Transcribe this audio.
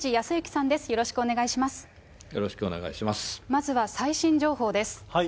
まずは最新情報です。